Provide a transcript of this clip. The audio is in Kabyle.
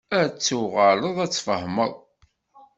Ad ttuɣaleḍ ad ttfehmeḍ.